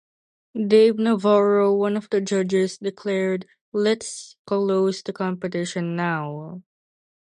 Dave Navarro, one of the judges, declared, Let's close the competition now!